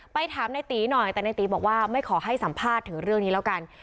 ถามในตีหน่อยแต่ในตีบอกว่าไม่ขอให้สัมภาษณ์ถึงเรื่องนี้แล้วกัน